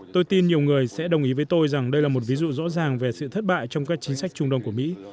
tôi tin nhiều người sẽ đồng ý với tôi rằng đây là một ví dụ rõ ràng về sự thất bại trong các chính sách trung đông của mỹ